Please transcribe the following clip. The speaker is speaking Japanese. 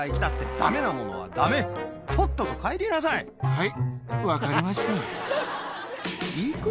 はい。